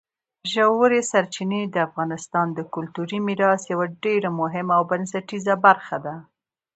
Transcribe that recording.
ژورې سرچینې د افغانستان د کلتوري میراث یوه ډېره مهمه او بنسټیزه برخه ده.